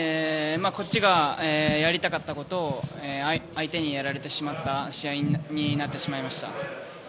こっちがやりたかったことを相手にやられてしまった試合になってしまいました。